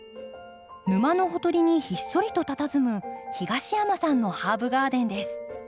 沼のほとりにひっそりとたたずむ東山さんのハーブガーデンです。